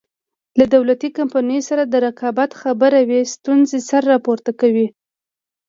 له دولتي کمپنیو سره د رقابت خبره وي ستونزې سر راپورته کوي.